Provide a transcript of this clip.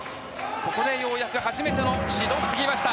ここでようやく初めての指導がきました。